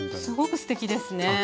すごくすてきですね。